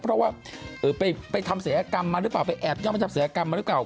เพราะว่าไปทำศัยกรรมมาหรือเปล่าไปแอบย่องไปทำศัยกรรมมาหรือเปล่า